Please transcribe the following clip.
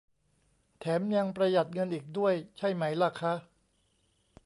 แถมยังประหยัดเงินอีกด้วยใช่ไหมล่ะคะ